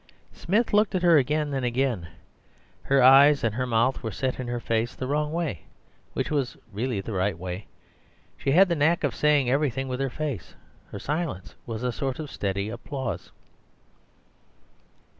Smith looked at her again and again. Her eyes and mouth were set in her face the wrong way—which was really the right way. She had the knack of saying everything with her face: her silence was a sort of steady applause.